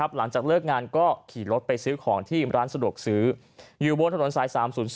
หลังจากเลิกงานก็ขี่รถไปซื้อของที่ร้านสะดวกซื้ออยู่บนถนนสาย๓๐๒